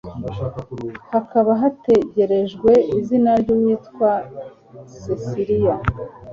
hakaba hategerejwe izina ry'uwitwa Cecilia